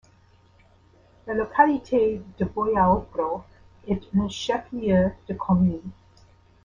La localité de Boyaokro est un chef-lieu de commune.